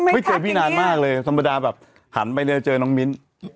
ไม่เจอพี่นานมากเลยธรรมดาแบบหันไปเลยเจอน้องมิ้น